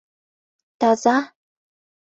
— Таза?